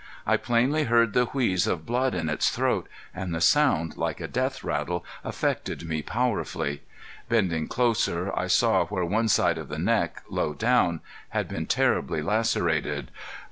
I plainly heard the wheeze of blood in its throat, and the sound, like a death rattle, affected me powerfully. Bending closer, I saw where one side of the neck, low down, had been terribly lacerated.